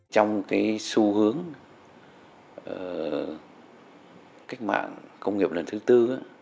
trong xu hướng cách mạng công nghiệp lần thứ tư